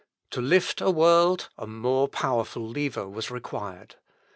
To lift a world, a more powerful lever was required.